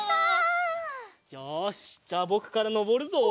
よしじゃあぼくからのぼるぞ。